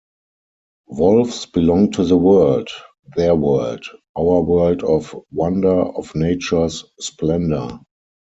Wolves belong to the world... their world, our world of wonder, of nature's splendor.